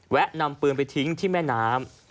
นำปืนไปทิ้งที่แม่น้ำ